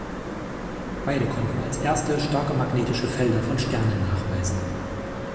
Beide konnten als Erste starke magnetische Felder von Sternen nachweisen.